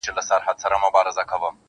هغه مجبورېږي او حالت يې تر ټولو سخت کيږي,